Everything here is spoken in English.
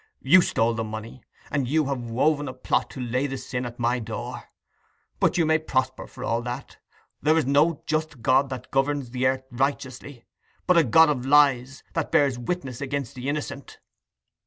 You stole the money, and you have woven a plot to lay the sin at my door. But you may prosper, for all that: there is no just God that governs the earth righteously, but a God of lies, that bears witness against the innocent."